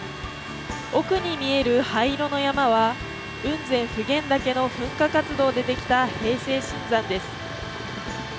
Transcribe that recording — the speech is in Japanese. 奥に見える灰色の山は雲仙・普賢岳の噴火活動でできた平成新山です。